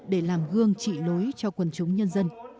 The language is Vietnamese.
để làm gương trị lối cho quần chúng nhân dân